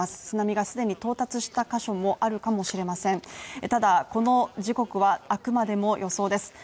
津波が既に到達した箇所もあるかもしれませんただ、この時刻はあくまでも予想です